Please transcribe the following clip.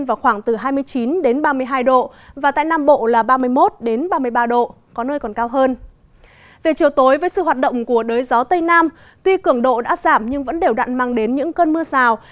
về chiều tối với sự hoạt động của đới gió tây nam tuy cường độ đã giảm nhưng vẫn đều đặn mang đến những cơn mưa rào